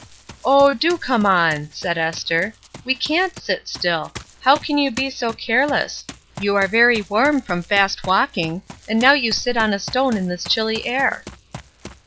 "Oh, do come on!" said Esther. "We can't sit still! How can you be so careless? You are very warm from fast walking, and now you sit on a stone in this chilly air."